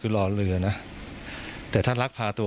ก็ไม่ได้คิดอะไรมาก